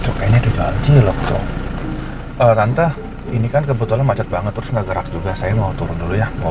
tante ini kan kebetulan macet banget terus nggak gerak juga saya mau turun dulu ya mau